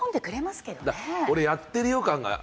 俺、やってるよ感が。